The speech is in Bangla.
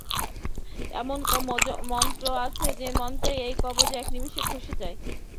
এমন মন্ত্র আছে যে মন্ত্রে এই কবচ এক নিমেষে আপনি খসে যায়।